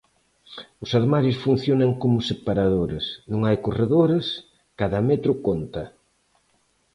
Os armarios funcionan como separadores, non hai corredores, cada metro conta.